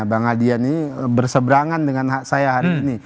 bang adrian ini bersebrangan dengan saya hari ini